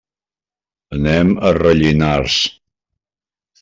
Anem a Rellinars.